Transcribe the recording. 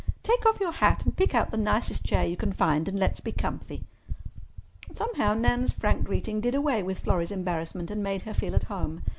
Take off your hat and pick out the nicest chair you can find, and let's be comfy." Somehow, Nan's frank greeting did away with Florrie's embarrassment and made her feel at home.